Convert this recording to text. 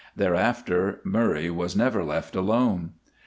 Thereafter Murray was never left alone.